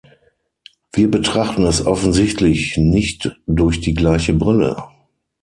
Wir betrachten es offensichtlich nicht durch die gleiche Brille.